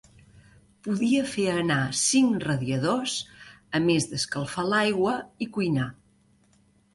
Podia fer anar cinc radiadors, a més d'escalfar l'aigua i cuinar.